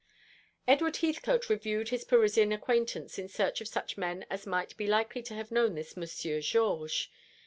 Edward Heathcote reviewed his Parisian acquaintance in search of such men as might be likely to have known this Monsieur Georges.